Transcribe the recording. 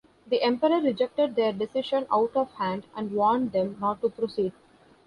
The emperor rejected their decision out of hand and warned them not to proceed.